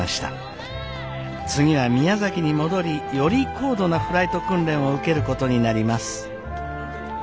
次は宮崎に戻りより高度なフライト訓練を受けることになります。